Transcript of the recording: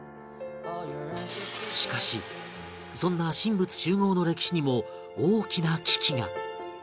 しかしそんな神仏習合の歴史にも大きな危機が